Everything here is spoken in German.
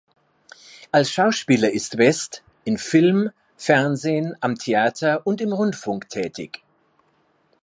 Als Schauspieler ist West in Film, Fernsehen, am Theater und im Rundfunk tätig.